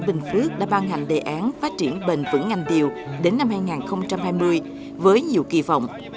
bình phước đã ban hành đề án phát triển bền vững ngành điều đến năm hai nghìn hai mươi với nhiều kỳ vọng